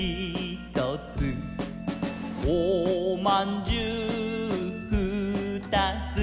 「おまんじゅうふーたつ」